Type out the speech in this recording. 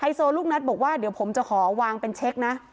โซลูกนัดบอกว่าเดี๋ยวผมจะขอวางเป็นเช็คนะ